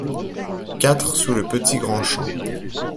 quatre sous Le Petit Grand Champ